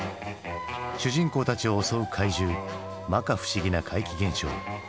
主人公たちを襲う怪獣まか不思議な怪奇現象。